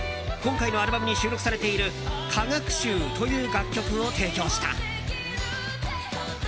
今回のアルバムに収録されている「過学習」という楽曲を提供した。